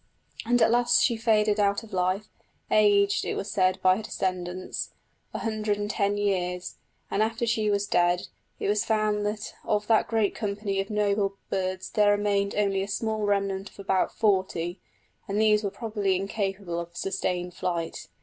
And at last she faded out of life, aged, it was said by her descendants, a hundred and ten years; and, after she was dead, it was found that of that great company of noble birds there remained only a small remnant of about forty, and these were probably incapable of sustained flight.